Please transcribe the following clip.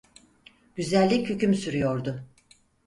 Güzellik hüküm sürüyordu.